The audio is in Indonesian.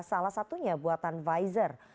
salah satunya buatan pfizer